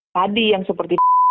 tadi yang seperti